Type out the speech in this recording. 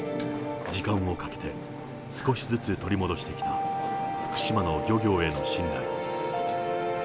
時間をかけて少しずつ取り戻してきた、福島の漁業への信頼。